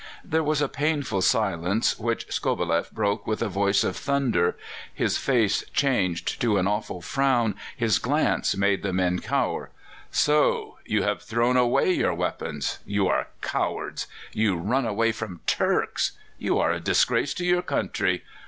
There was a painful silence, which Skobeleff broke with a voice of thunder. His face changed to an awful frown, his glance made the men cower. "So you have thrown away your weapons! You are cowards! You run away from Turks! You are a disgrace to your country!